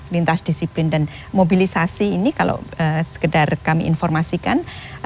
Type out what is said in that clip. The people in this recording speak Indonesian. lintas disiplin dan mobilisasi ini kalau sekedar kami informasikan